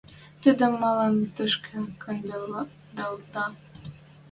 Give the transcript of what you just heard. Тӹдӹм малын тишкӹ кандыделда?